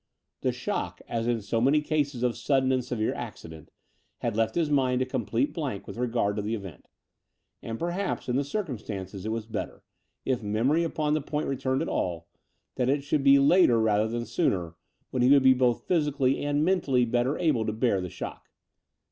The shock, as in so many cases of sudden and severe accident, had left his mind a complete blank with regard to the event; and perhaps, in the circumstances it was better, if memory upon the point returned at all, that it should be later rather than sooner, when he would be both physically and mentally better able to bear the shock.